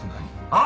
あ！